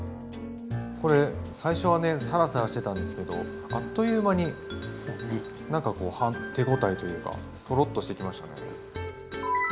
これ最初はねさらさらしてたんですけどあっという間に何か手応えというかトロッとしてきましたね。